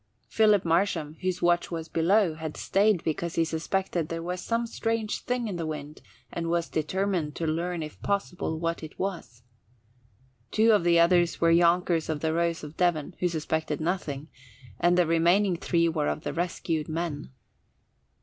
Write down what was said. Philip Marsham, whose watch was below, had stayed because he suspected there was some strange thing in the wind and was determined to learn if possible what it was. Two of the others were younkers of the Rose of Devon, who suspected nothing, and the remaining three were of the rescued men.